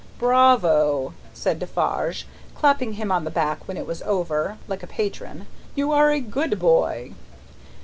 "Bravo!" said Defarge, clapping him on the back when it was over, like a patron; "you are a good boy!"